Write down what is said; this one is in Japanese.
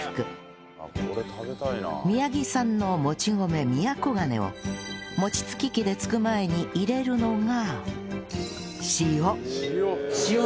宮城産のもち米みやこがねを餅つき機でつく前に入れるのが